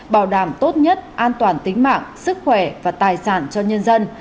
bảo đảm tốt nhất an toàn tính mạng sức khỏe và tài sản cho nhân dân